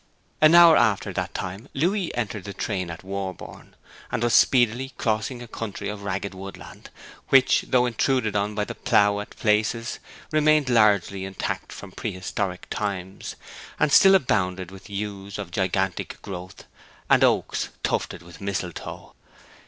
An hour after that time Louis entered the train at Warborne, and was speedily crossing a country of ragged woodland, which, though intruded on by the plough at places, remained largely intact from prehistoric times, and still abounded with yews of gigantic growth and oaks tufted with mistletoe.